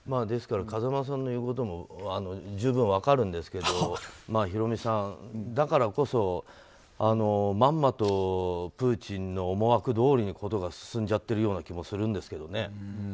ですから風間さんの言うことも十分分かるんですけどヒロミさん、だからこそまんまとプーチンの思惑どおりに事が進んじゃってるような気がするんですけどね。